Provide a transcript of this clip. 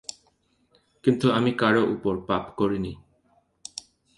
কিন্তু আমি কারও উপর পাপ করি নি।